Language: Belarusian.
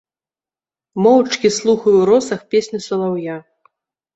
Моўчкі слухаю ў росах песню салаўя.